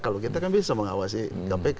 kalau kita kan bisa mengawasi kpk